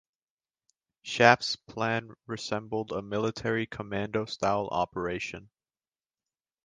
Shaft's plan resembles a military commando-style operation.